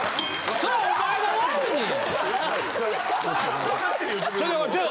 それはお前が悪いねん！